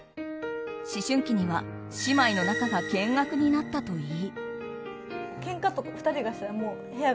思春期には姉妹の仲が険悪になったといい。